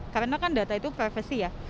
karena kan data itu privasi ya